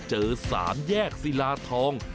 เจอสามแยกศิลาทอง